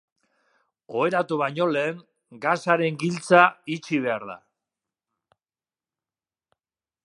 Oheratu baino lehen, gasaren giltza itxi behar da.